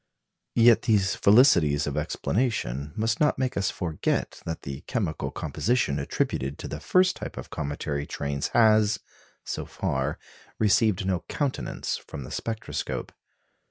Yet these felicities of explanation must not make us forget that the chemical composition attributed to the first type of cometary trains has, so far, received no countenance from the spectroscope.